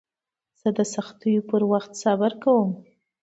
زه د سختیو پر وخت صبر کوم.